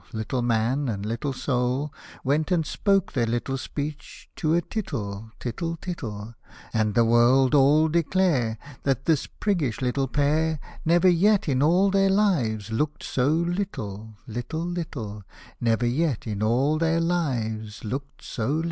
Little man and little Soul Went and spoke their little speech to a tittle, tittle, tittle, And the world all declare That this priggish little pair Never yet in all their lives looked so little, little, little, Never yet in all their lives looked so little